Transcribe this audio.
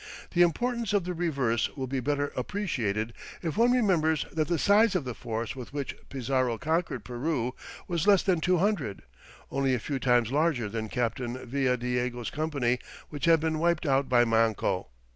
The importance of the reverse will be better appreciated if one remembers that the size of the force with which Pizarro conquered Peru was less than two hundred, only a few times larger than Captain Villadiego's company which had been wiped out by Manco.